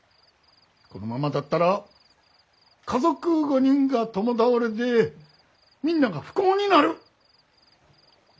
このままだったら家族５人が共倒れでみんなが不幸になる。